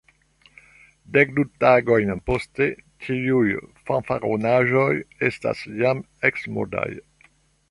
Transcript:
Dek-du tagojn poste, tiuj fanfaronaĵoj estas jam eksmodaj.